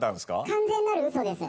「完全なるウソです」